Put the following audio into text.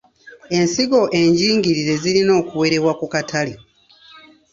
Ensigo enjingirire zirina okuwerebwa ku katale.